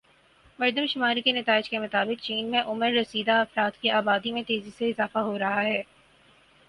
مردم شماری کے نتائج کے مطابق چین میں عمر رسیدہ افراد کی آبادی میں تیزی سے اضافہ ہو رہا ہے